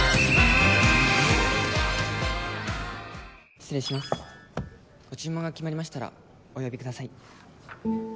失礼しますご注文が決まりましたらお呼びください。